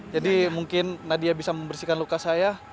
jadi mungkin nadia bisa membersihkan luka saya